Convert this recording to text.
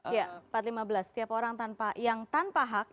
iya empat lima belas setiap orang yang tanpa hak